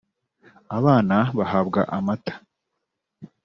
abana bahabwa amata